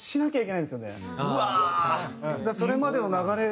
それまでの流れ